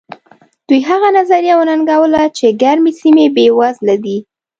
دوی هغه نظریه وننګوله چې ګرمې سیمې بېوزله دي.